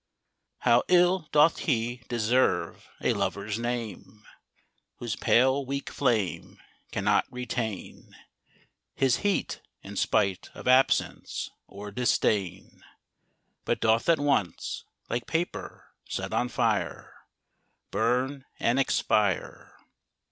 HOW ill doth lie deserve a Lover's name Whose pale weak flame Cannot retain His heat, in spite of absence or disdain ; But doth at once, like paper set on fire, Burn and expire